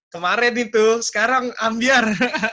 kemaren itu sekarang ambiar